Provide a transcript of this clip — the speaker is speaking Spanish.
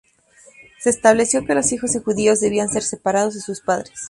Se estableció que los hijos de judíos debían ser separados de sus padres.